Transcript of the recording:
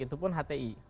itu pun hti